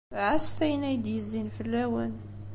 Ɛasset ayen ay d-yezzin fell-awen.